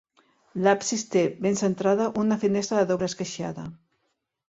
L'absis té, ben centrada, una finestra de doble esqueixada.